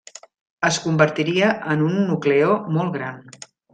Es convertiria en un nucleó molt gran.